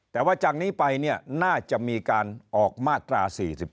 แต่ว่าจากนี้ไปเนี่ยน่าจะมีการออกมาตรา๔๔